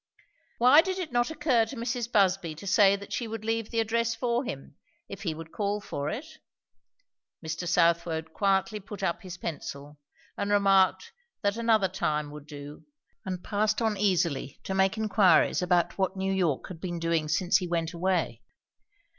Why did it not occur to Mrs. Busby to say that she would leave the address for him, if he would call for it? Mr. Southwode quietly put up his pencil, and remarked that another time would do; and passed on easily to make inquiries about what New York had been doing since he went away?